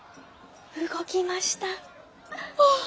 動きました！